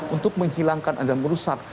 untuk menghilangkan dan merusak